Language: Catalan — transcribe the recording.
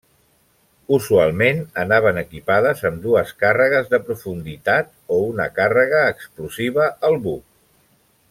Usualment anaven equipades amb dues càrregues de profunditat, o una càrrega explosiva al buc.